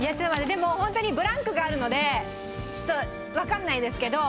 でもホントにブランクがあるのでちょっとわかんないですけど。